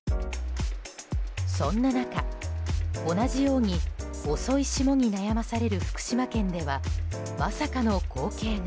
そんな中、同じように遅い霜に悩まされる福島県では、まさかの光景が。